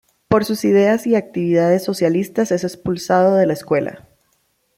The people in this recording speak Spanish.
Por sus ideas y actividades socialistas es expulsado de la escuela.